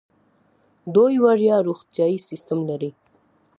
دوی وړیا روغتیايي سیستم لري.